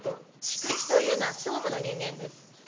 菊池というのは総務の人間です。